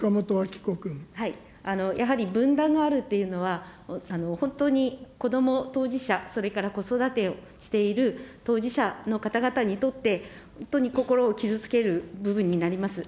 やはり分断があるっていうのは、本当に子ども、当事者、子育てをしている当事者の方々にとって、本当に心を傷つけることになります。